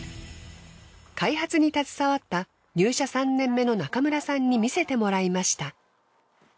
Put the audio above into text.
開発に携わった入社３年目の中村さんに見せてもらいました。